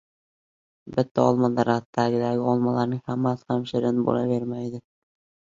• Bitta olma daraxtidagi olmalarning hammasi ham shirin bo‘lavermaydi.